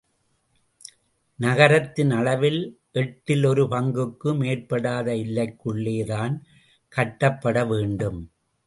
நகரத்தின் அளவில் எட்டில் ஒரு பங்குக்கு மேற்படாத எல்லைக்குள்ளே தான் கட்டப்பட வேண்டும்.